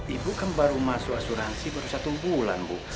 ibu kan baru masuk asuransi baru satu bulan bu